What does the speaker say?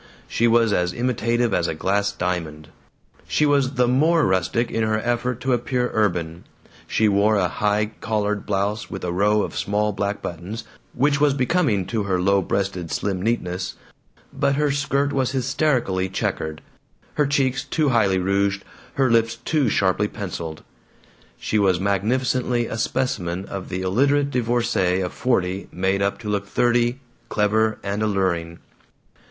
She was as imitative as a glass diamond. She was the more rustic in her effort to appear urban. She wore a severe high collared blouse with a row of small black buttons, which was becoming to her low breasted slim neatness, but her skirt was hysterically checkered, her cheeks were too highly rouged, her lips too sharply penciled. She was magnificently a specimen of the illiterate divorcee of forty made up to look thirty, clever, and alluring.